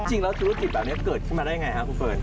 จริงแล้วธุรกิจแบบนี้เกิดขึ้นมาได้ยังไงครับคุณเฟิร์น